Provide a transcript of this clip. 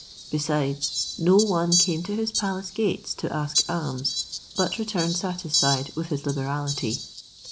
Besides, no one came to his palace gates to ask alms, but returned satisfied with his liberality.